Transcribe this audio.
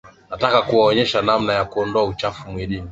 Nataka kuwaonyesha namna ya kuondoa uchafu mwilini